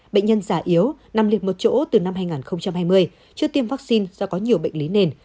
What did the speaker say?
bệnh nhân già yếu nằm liệt một chỗ từ năm hai nghìn hai mươi chưa tiêm vaccine do có nhiều bệnh lý nền